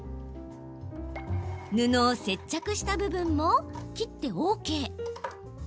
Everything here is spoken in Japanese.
布を接着した部分も切ってＯＫ。